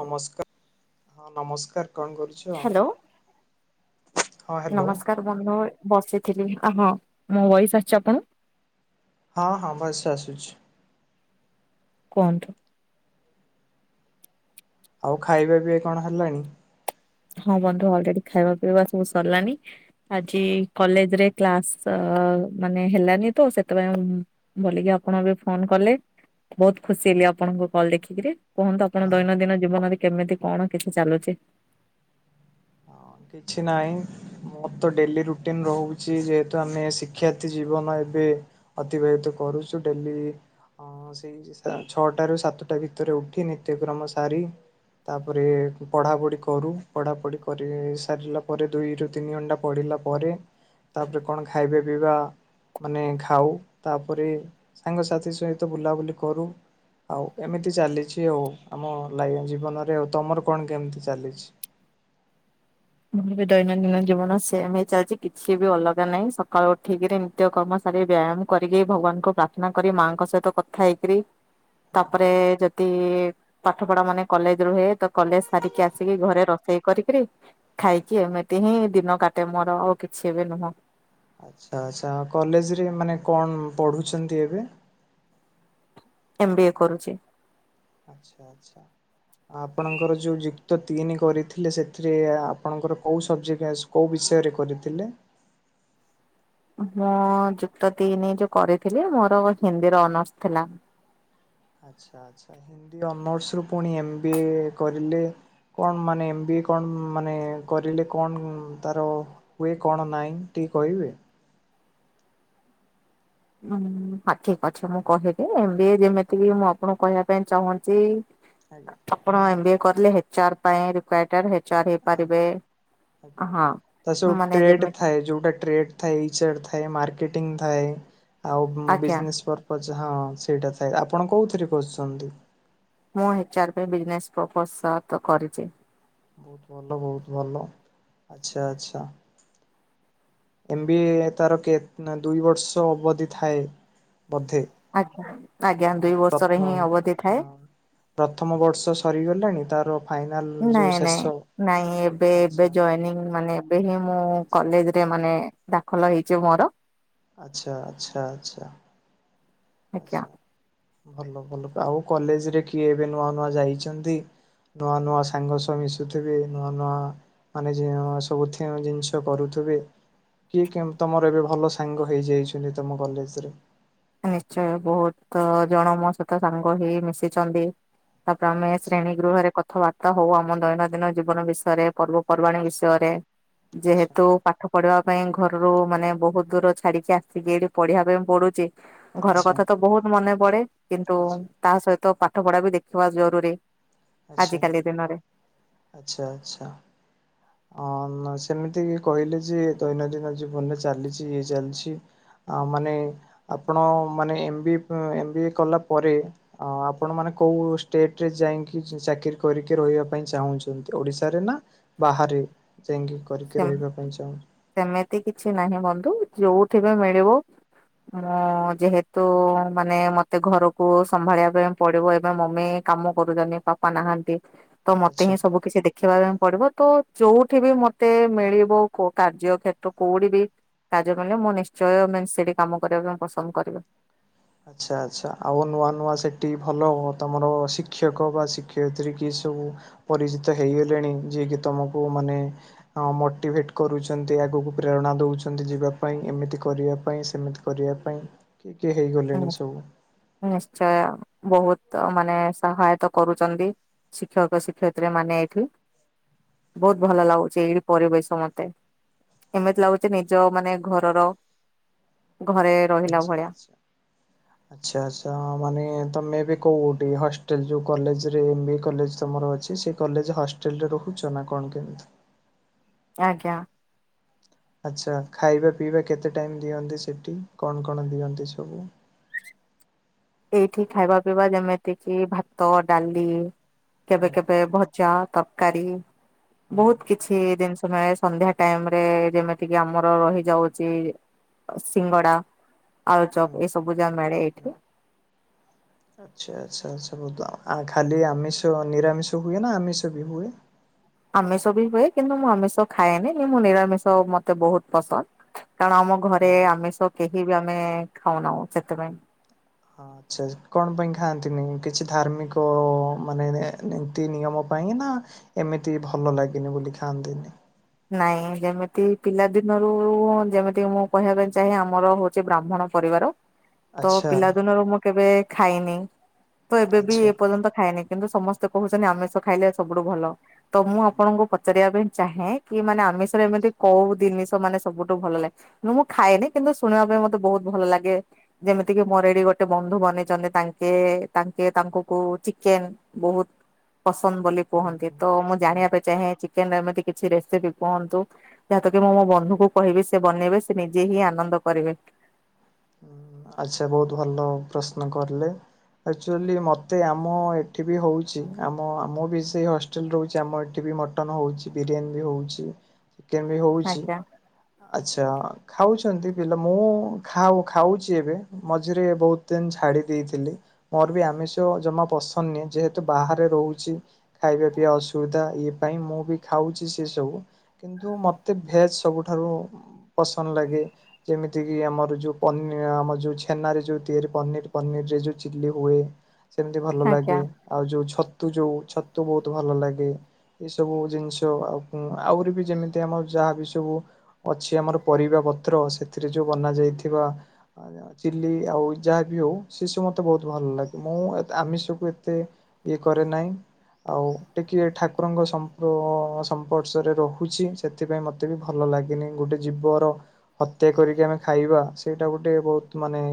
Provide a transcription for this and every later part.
ନମସ୍କାର ହଁ ନମସ୍କାର କଣ କରୁଛ? ହ୍ୟାଲୋ ହଁ ହ୍ୟାଲୋ ନମସ୍କାର। ବନ୍ଧୁ ବସିଥିଲି ଆହୋ ମୋ ବୟସ ଆସିଛି ଆପଣଙ୍କୁ? ହଁ ହଁ ଭଏସ ଆସୁଛି। କୁହନ୍ତୁ? ଆଉ ଖାଇବା ପିଇ କଣ ହେଲାଣି? ହଁ ବନ୍ଧୁ ଅଲରେଡି ଖାଇବା ପିଇବା ସବୁ ସରିଲାଣି। ଆଜି କଲେଜରେ କ୍ଲାସ ମାନେ ହେଲାନି ତ ସେଥିପାଇଁ ମୁଁ ବୋଲିକି ଆପଣ ଏବେ ଫୋନ କଲେ ବହୁତ ଖୁସି ହେଲି ଆପଣଙ୍କ କଲ ଦେଖିକିରି। କୁହନ୍ତୁ ଆପଣ ଦୈନନ୍ଦିନ ଜୀବନରେ କେମିତି କଣ କିଛି ଚାଲୁଛି? ହଁ କିଛି ନାହିଁ। ମୋର ତ ଡେଲି ରୁଟିନ ରହୁଛି ଯେହେତୁ ଆମେ ଶିକ୍ଷାର୍ଥୀ ଜୀବନ ଏବେ। ଅତିବାହିତ କରୁଛୁ ଡେଲି। ହଁ ସେଇ ଛଅଟ ରୁ ସାତଟା ଭିତରେ ଉଠି ନିତ୍ୟକ୍ରମ ସାରି ତାପରେ ପଢ଼ାପଢ଼ି କରୁ ପଢ଼ାପଢ଼ି କରି ପରେ ସାରିଲା ପରେ ଦୁଇରୁୁ ତିନି ଘଣ୍ଟା ପଢିଲା ପରେ ତାପରେ କଣ ଖାଇବା ପିଇବା ମାନେ ଖାଉ ତାପରେ ସାଙ୍ଗସାଥି ସହିତ ବୁଲାବୁଲି କରୁ ଆଉ ଏମିତି ଚାଲିଛି ଆଉ ଆମ ଲାଇନ ଜୀବନରେ ଆଉ ତମର କଣ କେମିତି ଚାଲିଛି? ମୋର ବି ଦୈନନ୍ଦିନ ଜୀବନ ସେମ ହେଇ ଚାଲିଛି କିଛି ବି ଅଲଗା ନାହିଁ ସକାଳୁ ଉଠେଇକିରି ନିତ୍ୟ କର୍ମ ସାରି ବ୍ୟାୟାମ କରିକି ଭଗବାନଙ୍କୁ ପ୍ରାର୍ଥନା କରି ମାଆଙ୍କ ସହିତ କଥା ହେଇକିରି ତାପରେ ଯଦି ପାଠ ପଢା ମାନେ କଲେଜ ରୁ ରୁହେ ତ କଲେଜ ସାରିକି ଆସିକି ଘରେ ରୋଷେଇ କରିକରି ଖାଇକି ଏମିତି ହିଁ ଦିନ କାଟେ ମୋର ଆଉ କିଛି ଏ ବି ନୁହଁ। ଆଚ୍ଛା ଆଛା କଲେଜରେ ମାନେ କଣ ପଢୁଛନ୍ତି ଏବେ? ଏମ୍ ବି ଏ କରୁଛି। ଆଛା ଆଛା। ଆପଣଙ୍କର ଯୋଉ ଯୁକ୍ତ ତିନି କରିଥିଲେ ସେଥିରେ ଆପଣଙ୍କର କୋଉଁ ସବଜେକ୍ଟ ଆସ କେଉଁ ବିଷୟରେ କରିଥିଲେ? ମୁଁ ଯୁକ୍ତ ତିନି ଯୋଉ କରିଥିଲି ମୋର ହିନ୍ଦୀର ଅନର୍ସ ଥିଲା। ଆଚ୍ଛା ଆଚ୍ଛା ହିନ୍ଦୀ ଅନର୍ସ ରୁ ପୁଣି ଏମ ବି ଏ କରିଲେ? କଣ ମାନେ ଏମ ବି କଣ ମାନେ କରିଲେ କଣ ତାର ହୁଏ କଣ ନାହିଁ ଟିକେ କହିବେ? ଉୁଁ ହଁ ଠିକ ଅଛି ମୁଁ କହିବି ଏମ ବି ଏ ଆଜ୍ଞା ଯେମିତିକ ମୁଁ ଆପଣଙ୍କୁ କହିବା ପାଇଁ ଚାହୁଁଛି ଆଜ୍ଞା। ଆପଣ ଏମ ବି ଏ କଲେ ଏଚ୍ ଆର ପାଇଁ ରିକୁଆଟେଡ୍ ହେଚାର୍ ହେଇପାରିବେ। ହଁ। ତ ସବୁ ମାନେ ଟ୍ରେଟ ଯେମିତି ଥାଏ ଯୋଉଟା ଟ୍ରେଟ ଥାଇ ଇଚାର୍ ଥାଏ ମାର୍କେଟିଙ୍ଗ ଥାଏ ଆଉ ଆଜ୍ଞା ବିଜନେସ ପରପୋଜ ପଛ ହଁ ସେଇଟା ଥାଏ ଆପଣ କୋଉଥିରେ କରୁଛନ୍ତି? ମୁ ହେଚାର ପାଇ ବିଜନେସ୍ ପ୍ରପୋଜ ସହ ତ କରିଛି। ବହୁତ ଭଲ ବହୁତ ଭଲ ଆଛା ଆଛା। ଏମ୍ ବି ଏ ତାର କେ ନା ଦୁଇ ବର୍ଷ ଅବଧି ଥାଏ ବୋଧେ। ଆଜ୍ଞା ଆଜ୍ଞା ଦୁଇ ଆଉ ବର୍ଷରେ ପ୍ରତ୍ନ ହିଁ ଅବଧି ଥାଏ। ହଁ। ପ୍ରଥମ ବର୍ଷ ସରିଗଲାଣି ତାର ଯୋଉଁ ନାଇଁ ନାଇଁ ଶେଷ ନାଇଁ ଏବେ ଏବେ ଆଚ୍ଛା। ଜଏନିଙ୍ଗ ମାନେ ଏବେ ହିଁ ମୁଁ ଆଚ୍ଛା କଲେଜରେ ମାନେ ଦାଖଲ ହେଇଛି ମୋର। ଆଚ୍ଛା ଆଛା ଆଚ୍ଛା। ଆଜ୍ଞା ଆଛା ଭଲ ଭଲ ଆଉ କଲେଜରେ କିଏ ଏବେ ନୂଆ ନୂଆ ଯାଇଚନ୍ତି। ନୂଆ ନୂଆ ସାଙ୍ଗସହ ମିଶୁଥିବେ ନୂଆ ନୂଆ ମାନେ ଯେଉ ସବୁଥେଁ ଜିନିଷ କରୁଥିବେ। କିଏ କେମତୀ ତମର ଏବେ ଭଲ ସାଙ୍ଗ ହେଇଯାଇଛନ୍ତି ତମ କଲେଜରେ। ନିଶ୍ଚୟ ବହୁତ ଜଣ ମୋ ସହିତ ସାଙ୍ଗ ହି ମିଶିଛନ୍ତି। ତାପରେ ଆମେ ଆଛା ଶ୍ରେଣୀ ଗୃହରେ କଥାବାର୍ କଥା ହଉ ଆମ ଦୈନନ୍ଦିନ ଜୀବନ ବିଷୟରେ ପର୍ବପର୍ବାଣୀ ବିଷୟରେ ଆଛା ଯେହେତୁ ପାଠ ପଢିବା ପାଇଁ ଘରରୁ ମାନେ ବହୁତ ଦୂର ଛାଡିକି ଆସିକି ଏଠି ପଢିବା ପାଇଁ ପଡୁଛି। ଘର ଆଛା କଥା ତ ବହୁତ ମନେ ପଡେ କିନ୍ତୁ ଆଛା ତା ସହିତ ପାଠ ପଢା ବି ଦେଖିବା ଜରୁରୀ। ଆଛା ଆଜିକାଲି ଦିନରେ ଆଛା ଆଛା। ଅଁ ନ ସେମିତି କହିଲେ ଯେ ଦୈନନ୍ଦିନ ଜୀବନରେ ଚାଲିଛି ଇଏ ଚାଲିଛି। ଆ ମାନେ ଆପଣ ମାନେ M B M M B A କଲା ପରେ ଅ ଆପଣ ମାନେ କୋଉ ଷ୍ଟେଟରେ ଯାଇକି ଚାକିର କରିକି ରହିବା ପାଇଁ ଚାହୁଁଛନ୍ତି ଓଡିଶାରେ ନା ବାହାରେି ଯାଇଙ୍ଗି କରିକି ସେମ ରହିବା ପାଇଁ ଚାହୁଁ ସେମିତି କିଛି ନାହିଁ ବନ୍ଧୁ ଯୋଉଠି ବି ମିଳିବ ମୁଁ ଯେହେତୁ ମାନେ ମତେ ଘରକୁ ସମ୍ଭାଳିବା ପାଇଁ ପଡିବ ଏବେ ମମି କାମ କରୁଛନ୍ତି ପାପା ନାହାନ୍ତି। ତ ମତେ ଆଚ୍ଛା। ହିଁ ସବୁ କିଛି ଦେଖିବା ପାଇଁ ପଡିବ ତ ଯୋଉଠି ବି ମ ମତେ ମିଳିବ କୋ କାର୍ଯ୍ୟ ଖେତ୍ର କୋଉଠି ବି କାଯ୍ୟ ମିଲେ ମୁଁ ନିଶ୍ଚୟ ମା ସେଇଠି କାମ କରିବା ପାଇଁ ପସନ୍ଦ କରିବି। ଆଚ୍ଛା ଆଚ୍ଛା ଆଉ ନୂଆ ନୂଆ ସେଠି ଭଲ ତମର ଶିକ୍ଷକ ବା ଶିକ୍ଷୟିତ୍ରୀ କି ସବୁ ପରିଚିତ ହେଇଗଲେଣି ଯିଏ କି ତମକୁ ମାନେ ହଁ ମୋଟିଭେଟ କରୁଛନ୍ତି ଆଗକୁ ପ୍ରେରଣା ଦଉଛନ୍ତି ଯିବା ପାଇଁ ଏମିତି କରିବା ପାଇଁ ସେମିତି କରିବା ପାଇଁ କିଏ କିଏ ହେଇଗଲେଣି ହୁଁ, ସବୁ। ନିଶ୍ଚୟ ବହୁତ ମାନେ ସହାୟତା କରୁଛନ୍ତି। ଶିକ୍ଷକ ଶିକ୍ଷୟତ୍ରି ମାନେ ଏଠି। ବହୁତ ଭଲ ଲାଗୁଛି ଏଇ ପରିବେଶ ମତେ। ଏମିତି ଲାଗୁଛି ନିଜ ମାନେ ଘରର ଘରେ ରହିଲା ଆଛା ଭଳିଆ ଆଛା। ଆଛା ଆଛା ମାନେ ତମେ ଏବେ କୋଉଠି ହଷ୍ଟେଲ ଯୋଉ କଲେଜରେ ଏମ ବି ଏ କଲେଜ ତମର ଅଛି ସେ କଲେଜ ହଷ୍ଟେଲ ରେ ରହୁଛ ନା କଣ କେମିତି। ଆଜ୍ଞା। ଆଚ୍ଛା ଖାଇବା ପିଇବା କେତେ ଟାଇମ୍ ଦିଅନ୍ତି ସେଠି କଣ କଣ ଦିଅନ୍ତି ସବୁ। ଏଇଠି ଖାଇବା ପିଇବା ଯେମିତି କି ଭାତ ଡାଲି କେବେ ହୁଁ କେବେ ଭ ଜା ତବକାରୀ ହୁଁ ବହୁତ କିଛି କିଛି ଜିନିଷ ମିଳେ ସନ୍ଧ୍ୟା ଟାଇମରେ ଯେମିତି କି ଆମର ରହିଯାଉଚି ସିଙ୍ଗଡା ହୁଁ ଆଳୁଚପ୍ ଏ ସବୁ ଯାହା ମିଳେ ଏଇଠି। ଆଚ୍ଛା ଆଚ୍ଛା ଆଛା ବହୁତ ଆ ଖାଲି ଆମିଷ ନିରାମିଷ ହୁଏ ନା ଆମିଷ ବି ହୁଏ। ଆମିଷ ବି ହୁଏ କିନ୍ତୁ ମୁଁ ଆମିଷ ଖାଏନି ମୁଁ ନିରାମିଷ ମୋତେ ବହୁତ ପସନ୍ଦ। କାରଣ ଆମ ଘରେ ଆମିଷ କେହି ବି ଆମେ ଖାଉନାହୁ ସେଥିପାଇଁ। ହଁ ଆଚ୍ଛା କଣ ପାଇଁ ଖାଆନ୍ତିନି କିଛି ଧାର୍ମିକ ମାନେ ନ ନିତି ନିୟମ ପାଇଁ ନା ଏମିତି ଭଲ ଲାଗିନି ବୋଲି ଖାଆନ୍ତିନି। ନାଇଁ ଯେମିତି ପିଲାଦିନରୁ ଯେମିତି ମୁଁ କହିବା ପାଇଁ ଚାହେଁ ଆମର ହଉଛି ବ୍ରାହ୍ମଣ ପରିବାର। ତ ଆଚ୍ଛା ପିଲା ଦିନରୁ ମୁଁ କେବେ ଖାଇନି ତ ଏବେ ବି ଆଚ୍ଛା। ଏ ପର୍ଯ୍ୟନ୍ତ ଖାଇନି। କିନ୍ତୁ ସମସ୍ତେ କହୁଛନ୍ତି ଆମିଷ ଖାଇଲେ ସବୁଠୁ ଭଲ ତ ମୁଁ ଆପଣଙ୍କୁ ପଚାରିବା ପାଇଁ ଚାହେଁ। କି ମାନେ ଆମିଷରେ ଏମିତି କୋଉ ଦିନିଷ ମାନେ ସବୁଠୁ ଭଲ ଲାଗେ। ମୁଁ ଖଏନି କିନ୍ତୁ ଶୁଣିବା ପାଇଁ ମତେ ବହୁତ ଭଲ ଲାଗେ। ଯେମିତି କିି ମୋର ଏଠି ଗୋଟେ ବନ୍ଧୁ ବନେଇଛନ୍ତି ତାଙ୍କେ ତାଙ୍କେ ତାଙ୍କୁକୁ ଚିକେନ ବହୁତ ପସନ୍ଦ ବୋଲି ହୁଁ କୁହନ୍ତି ହୁଁ ତ ମୁଁ ହୁଁ ଜାଣିବା ପାଇଁ ଚାହେଁ ଚିକେନ ଏମିତି କିଛି ରେ ସେ ବି କୁହନ୍ତୁ ଯାହାତ କି ମୁଁ ମୋ ବନ୍ଧୁକୁ କହିବି ସେ ବନେଇବେ ସେ ନିଜେ ହିଁ ଆନନ୍ଦ କରିବେ। ଆଚ୍ଛା ବହୁତ ଭଲ ପ୍ରଶ୍ନ କରିଲେ। ଆଚୁଆଲି ମତେ ଆମ ଏଠି ବି ହଉଛି ଆମ ଆମୁଁ ବି ସେଇ ହ ଚୁଲି ରହୁଛି ଆମ ଏଠି ବି ମଟନ ହଉଛି ବିରିୟାନୀ ବି ହଉଛି। କେନ ବି ହଉଛି ଆଜ୍ଞା ଆଛା ଖାଉଛନ୍ତି ପିଲା ମୁଁ ଖାଉ ଖାଉଛି ଏବେ ମଝିରେ ବହୁତ ଦିନ ଛାଡ଼ି ଦେଇଥିଲି। ମୋର ବି ଆମିଷ ଜମା ପସନ୍ଦ ନି ଯେହେତୁ ବାହାରେ ରହୁଛି। ଖାଇବା ପିଇବା ଅସୁବିଧା ଇଏ ପାଇଁ ମୁଁ ବି ଖାଉଛି ସେ ସବୁ। କିନ୍ତୁ ମତେ ଭେଜ ସବୁଠାରୁ ପସନ୍ଦ ଲାଗେ ଯେମିତି କିି ଆମର ଯୋଉ ପନି ଆମ ଯୋଉ ଛେନରେ ଯୋଉ ତିଆରି ପନିର ପନିରରେ ଯୋଉ ଚିଲି ହୁଏ। ସେମିତି ଭଲ ଲାଗେ ଆଜ୍ଞା ଆଉ ଯୋଉ ଛତୁ ଯୋଉ ଛତୁ ବହୁତ ଭଲ ଲାଗେ। ଏଇ ସବୁ ଜିନିଷ ଆଉ ଆହୁରି ବି ଯେମିତି ଆମର ଯାହାବ ସବୁ ଅଛି ଆମର ପରିବା ପତ୍ର ସେଥିରେ ଯୋଉ ବନା ଯାଇଥିବା ଚିଲି ଆଉ ଯାହାବି ହଉ ସେ ସବୁ ମତେ ବହୁତ ଭଲ ଲାଗେ ମୁଁ ଆମିଷକୁ ଏତେ ଇଏ କରରେ ନାଇଁ। ଆଉ ଟିକିଏ ଠାକୁରଙ୍କ ସମ୍ପ୍ର ସମ୍ପର୍ଶରେ ରହୁଛି ସେ ସେଥିପାଇଁ ମତେ ବି ଭଲ ଲାଗିନି ଗୋଟେ ଜୀବର ହତ୍ୟା କରିକି ଆମେ ଖାଇବା। ସେଇଟା ଗୋଟେ ବହୁତ ମାନେ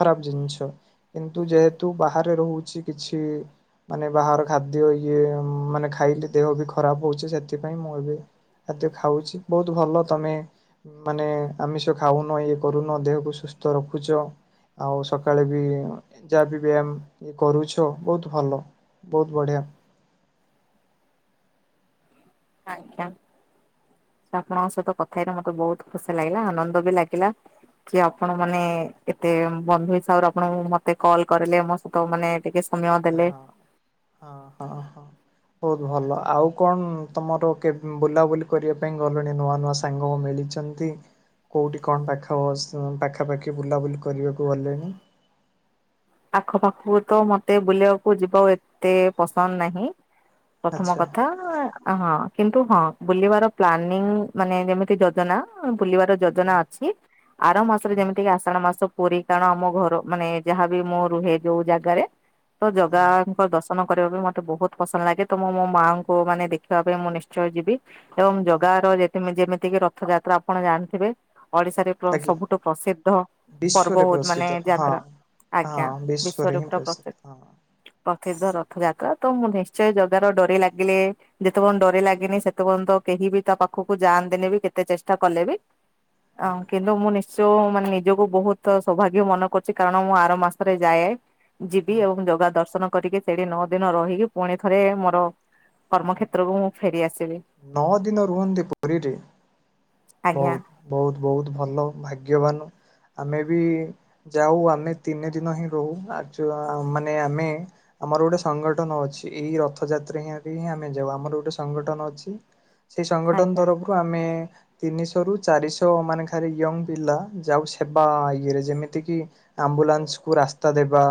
ଖରାପ ଜିନିଷ। କିନ୍ତୁ ଯେହେତୁ ବାହାରେ ରହୁଛି କିଛି ମାନେ ବାହାର ଖାଦ୍ୟ ଇଏ ମାନେ ଖାଇଲେ ଦେହ ବି ଖରାପ ହଉଛି ସେଥି ପାଇଁ ମୁଁ ଏବେ ଖାଦ୍ୟ ଖାଉଛି ବହୁତ ଭଲ ତମେ ମାନେ ଆମିଷ ଖାଉନ ଇଏ କରୁନ ଦେହକୁ ସୁସ୍ଥ ରଖୁଚ। ଆଉ ସକାଳେ ବି ଯାହା ବି ବ୍ୟାୟାମ କରୁଛ ବହୁତ ଭଲ। ବହୁତ ବଢ଼ିଆ। ଆଜ୍ଞା। ଆପଣଙ୍କ ସହିତ କଥାହେଇଥା ମତେ ବହୁତ ଖୁସି ଲାଗିଲା ଆନନ୍ଦ ବି ଲାଗିଲା। କି ଆପଣ ମାନେ ଏତେ ବନ୍ଧୁ ହିସାବରେ ଆପଣ ମତେ କଲ୍ କରିଲେ। ତ ମାନେ ଟିକେ ସମୟ ଦେଲେ ହଁ ହଁ ହ ହଁ। ବହୁତ ଭଲ ଆଉ କଣ ତମର କେ ବୁଲାବୁଲି କରିବା ପାଇଁ ଗଲେଣି ନୂଆ ନୂଆ ସାଙ୍ଗ ମିଳିଛି। ସେମନ୍ତି କୋଉଠି କଣ ପାଖ ପାଖାପାଖି ବୁଲାବୁଲି କରିବାକୁ ଗଲେଣି? ଆଖ ପାଖୁକୁ ତ ମତେ ବୁଲିବାକୁ ଯିବାକୁ ଏତେ ପସନ୍ଦ ନାହିଁ। ପ୍ରଥମ ଆଚ୍ଛା। କଥା ହଁ କିନ୍ତୁ ହଁ ବୁଲିବାର ପ୍ଲାନିଂ ମାନେ ଯେମିତି ଯୋଜନା। ବୁଲିବାର ଯୋଜନା ହଁ ଅଛି ଆର ମାସରେ ହଁ ଯେମିତିକ ଆଷାଢ ମାସ। [unintelligible] ଆମ ଘର ମାନେ ଯାହାବି ମୁଁ ରୁହେ ଯୋଉ ଜାଗାରେ ତ ହଁ ଜଗାଙ୍କ ଦଶ ନ କରିବା ପାଇଁ ମତେ ବହୁତ ପସନ୍ଦ ଲାଗେ ତ ମୁଁ ମୋ ମାଆଙ୍କୁ ମାନେ ଦେଖିବା ପାଇଁ ମୁଁ ନିଶ୍ଚୟ ଯିବି। ଏବଂ ଜଗା ର ଯେ ଯେମିତି କିି ରଥ ଯାତ୍ରା ଆପଣ ଜାଣିଥିବେ ଓଡ଼ିଶା ରେ ଆଜ୍ଞା ସବୁଠୁ ପ୍ରସିଦ୍ଧ ପର୍ବ ବିଶ୍ଵରେ ହଉଚି ମାନେ ପ୍ରସିଦ୍ଧ ହଁ। ଯାତ୍ରା ଆଜ୍ଞା ହଁ ବିଶ୍ଵରେ ହିଁ ପୁରା ପ୍ରସିଦ୍ଧ। ହଁ ପ୍ରସିଦ୍ଧ ରଥଯାତ୍ରା ତ ମୁଁ ନିଶ୍ଚୟ ଜଗାର ଡୋରି ଲାଗିଲେ ଯେତେବେର୍ଯ୍ୟନ୍ତ ଡୋରି ଲାଗିନି ସେତେ ପର୍ଯ୍ୟନ୍ତ ତ କେହି ବି ତା ପାଖକୁ ଯାଆନ୍ତିନି ବି କେତେ ଚେଷ୍ଟା କଲେ ବି ଆ କିନ୍ତୁ ମୁଁ ନିଶ୍ଚୟ ମାନେ ନିଜକୁ ବହୁତ ସୌଭାଗ୍ୟ ମେ କରୁଚି କାରଣ ମୁଁ ଆରମ୍ଭ ମାସରେ ଯାଏ ଯିବି ହଁ। ଏବଂ ଜଗା ଦର୍ଶନ କରିକି ସେଇଠି ନଅ ଦିନ ରହିକି ପୁଣି ଥରେ ମୋର କର୍ମକ୍ଷେତ୍ରକୁ ମୁଁ ଫେରି ଆସିବି ନଅ ଦିନ ରୁହନ୍ତି ପୁରୀରେ ଆଜ୍ଞା ବହୁତ ବହୁତ ବହୁତ ଭଲ ଭାଗ୍ୟବାନ ଆମେ ବି ଯାଉ ଆମେ ତିନି ଦିନ ହିଁ ରହୁ ଆଚ ମାନେ ଆମେ ଆମର ଗୋଟେ ସଂଗଠନ ଅଛି ଏଇ ରଥଯାତ୍ରା ହିଁ ଏହି ଆମେ ଯାଉ ଆମର ଗୋଟେ ସଂଗଠନ ଅଛି ସେଇ ସଂଗଠନ ଆଜ୍ଞା ତରଫରୁ ଆମେ ତିନିଶହ ରୁ ଚାରିଶହ ମାନେ ଖରେ ୟଙ୍ଗ ପିଲା ଯାଉ ସେବା ଇଏରେ ଯେମିତି କିି ଆମ୍ବୁଲାନ୍ସକୁୁ ରାସ୍ତା ଦେବା,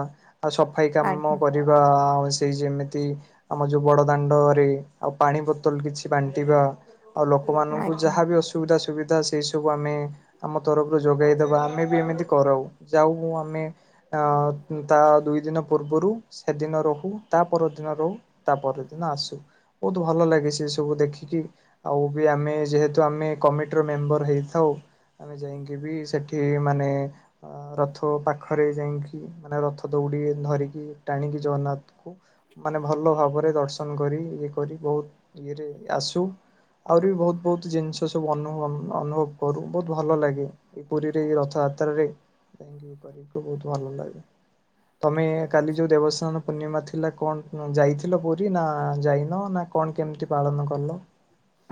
ଆଉ ସ ସଫାଇ କାମ ଆଜ୍ଞା କରିବା। ଆ ସେଇ ଯେମିତି ଆମ ଯୋଉ ବଡ଼ ଦାଣ୍ଡରେ, ଆଉ ପାଣି ବୋତଲ କିଛି ବାଣ୍ଟିବା। ଆଉ ଲୋକମାନଙ୍କୁ ଆଜ୍ଞା ଯାହା ବି ଅସୁ ଯୋଉଟା ସୁବିଧା ସେଇସବୁ ଆମେ ଆମ ତରଫରୁ ଯୋଗେଇଦବା ଆମେ ବି ଏମିତି କରାଉ। ଯାଉ ଆମେ ଅ ତା ଦୁଇ ଦିନ ପୂର୍ବରୁ ସେଦିନ ରହୁ। ତା ପରଦିନ ରହୁ। ତା ପର ଦିନ ଆସୁ। ବୋହୁତ୍ ଭଲ ଲାଗେ ସେ ସବୁ ଦେଖିକି। ଆଉ ବି ଆମେ ଯେହେତୁ ଆମେ କମିଟିର ମେମ୍ବର ହେଇଥାଉ। ଆମେ ଯାଇଙ୍କି ବି ସେଠି ମାନେ ରଥ ପାଖରେ ଯାଇଙ୍କି ମାନେ ରଥ ଦୌଡ଼ିି ଧରିକି, ଟାଣିକି ଜଗନ୍ନାଥଙ୍କୁ ମାନେ ଭଲ ଭାବରେ ଦର୍ଶନ କରି, ଇଏ କରି ବୋହୁତ୍ ଇଏରେ ଆସୁ। ଆହୁରି ବି ବୋହୁତ୍, ବୋହୁତ୍ ଜିନ୍ସ ସବୁ ଅନୁ ଅନୁଭବ କରୁ ବୋହୁତ୍ ବଢ଼ିଆ ଭଲ ଲାଗେ। ସେଇ ପୁରୀରେ ରଥଯାତ୍ରାରେ ଯାଇକି [unintelligible] ବୋହୁତ୍ ଭଲ ଲାଗେ। ତମେ କାଲି ଯୋଉ ଦେବସ୍ନାନ ପୂର୍ଣ୍ଣିମା ଥିଲା କଣ ଯାଇଥିଲ କ କି ନା ଯାଇନ ନା କଣ କେମିତି ପାଳନ କଲ?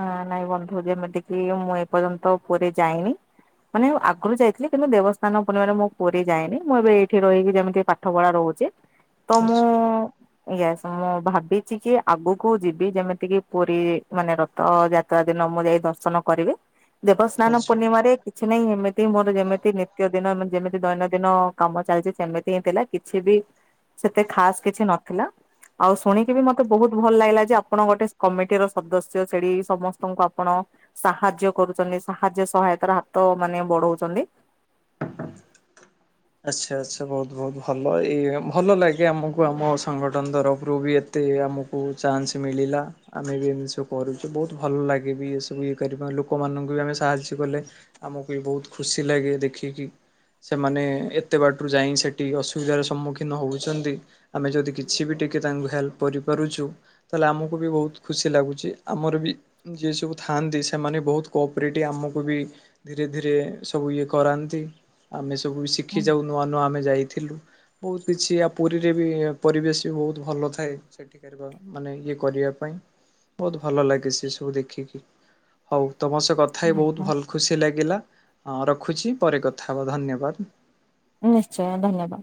ଆ ନାଇଁ ବନ୍ଧୁ ଯେମିତି କିି ମୁଁ ଏପର୍ଯ୍ୟନ୍ତ ପୁରୀ ଯାଇନି। ମାନେ ଆଗରୁ ଯାଇଥିଲି, କିନ୍ତୁ ଦେବସ୍ଥାନ ପୁର୍ଣିମା ରେ ମୁଁ ପୁରୀ ଯାଇନି। ମୁଁ ଏବେ ଏଇଠି ରହିକି ଯେମିତି ପା ପାଠ ପଢା ରହୁଚି। ତ ମୁଁ ଆଚ୍ଛା। ଇଏସ୍ ମୁଁ ଭାବିଚି କି ଆଗକୁ ଯିବି ଯେମିତି କି ପୁରୀ ମାନେ ର ଥ ଯାତ୍ରା ଦିନ ମୁଁ ଯାଇ ଦର୍ଶନ କରିବି। ଦେବସ୍ନାନ ଆଚ୍ଛା ପୂର୍ଣ୍ଣିମାରେ କିଛି ନାହିଁ, ଏମିତି ମୋର ଯେମିତି ନିତ୍ୟ ଦିନ, ଯେମିତି ଦୈନନ୍ଦିନ କାମ ଚାଲିଚି ସେମିତି ହିଁ ଥିଲା। କିଛି ବି ସେତେ ଖାସ୍ କିଛି ନଥିଲା। ଆଉ ଶୁଣିକି ବି ମତେ ବୋହୁତ୍ ଭଲ ଲାଗିଲା ଯେ ଆପଣ ଗୋଟେ କମିଟି ର ସଦ ସ୍ୟ ସେଡ଼ି ସମସ୍ତଙ୍କୁ ଆପଣ ସାହାଯ୍ୟ କରୁଛନ୍ତି। ସାହାଯ୍ୟ ସହାୟତାର ହାତ ମାନେ ବଢଉଛନ୍ତି। ଆଚ୍ଛା ଆଚ୍ଛା। ବୋହୁତ୍, ବୋହୁତ୍ ଭଲ। ଏଇ ଭଲ ଲାଗେ ଆମକୁ ଆମ ସଂଗଠନ ତରଫରୁ ବି ଏତେ ଆମକୁ ଚାନ୍ସ ମିଳିଲା। ଆମେ ବି ଏମିତି ସବୁ କରୁଚୁ। ବୋହୁତ୍ ଭଲ ଲାଗେ ବି, ଏ ସବୁ ଇଏ କରିବା ଲୋକମାନଙ୍କୁ ବି ଆମେ ସାହାଯ୍ୟ କଲେ। ଆମକୁ ବି ବୋହୁତ୍ ଖୁସି ଲାଗେ, ଦେଖିକି ସେମାନେ ଏତେ ବାଟରୁ ଯାଇଁକି ସେଠି ଅସୁବିଧାର ସମ୍ମୁଖୀନ ହଉଛନ୍ତି। ଆମେ ଯଦି କିଛି ବି ଟିକେ ତାଙ୍କୁ ହେଲ୍ପ କରିପାରୁଛୁ ତାହେଲେ ଆମକୁ ବି ବୋହୁତ୍ ଖୁସି ଲାଗୁଚି। ଆମର ବି ଯିଏ ସବୁ ଥାନ୍ତି ସେମାନେ ବୋହୁତ୍ କୋପ୍ରିଟି ଆମକୁ ବି ଧୀରେ ଧୀରେ, ସବୁ ଇଏ କରାନ୍ତି। ଆମେ ସବୁ ଶି ସିଖି ଯାଉ ନୂଆ ନୂଆ ଆମେ ଯାଇଥିଲୁ। ବୋହୁତ୍ କିଛି ଆଉ ପୁରୀରେ ବି ପରିବେଶ ବି ବୋହୁତ୍ ଭଲ ଥାଏ। ମାନେ ଇଏ କରିବା ପାଇଁ। ବୋହୁତ୍ ଭଲ ଲାଗେ ସେ ସବୁ ଦେଖିକି। ହୋଉ ତମ ସହ କଥା ହେଇ ବୋହୁତ୍ ଆଜ୍ଞା ଭଲ ଖୁସି ଲାଗିଲା। ହଁ ରଖୁଛି ପରେ କଥା ହେବା ଧନ୍ୟବାଦ। ନିଶ୍ଚୟ ଧନ୍ୟବାଦ।